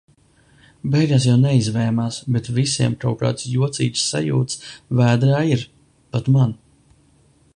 Beigās jau neizvēmās, bet visiem kaut kādas jocīgas sajutas vēderā ir, pat man.